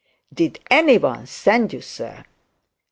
'Did anyone send you, sir?'